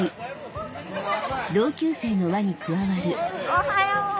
おはよう。